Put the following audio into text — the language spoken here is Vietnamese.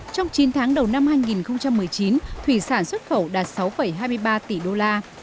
trong chín tháng đầu năm hai nghìn một mươi chín thủy sản xuất khẩu đạt sáu hai mươi ba tỷ đô la